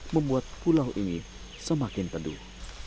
membuat pulau ini semakin teduh